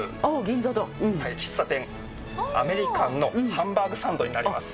喫茶店、アメリカンのハンバーグサンドになります。